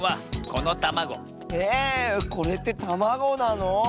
これってたまごなの？